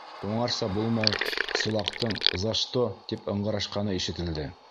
Уңарса булмай, Сулаҡтың, «за что», тип ыңғырашҡаны ишетелде.